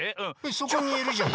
そこにいるじゃん。